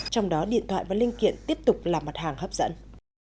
trong đó điện thoại và linh kiện tiếp tục là mặt hàng hấp dẫn